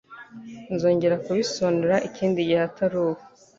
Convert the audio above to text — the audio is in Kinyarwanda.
Nzongera kubisobanura ikindi gihe atari ubu.